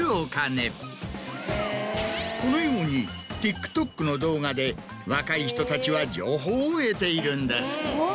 このようにＴｉｋＴｏｋの動画で若い人たちは情報を得ているんです。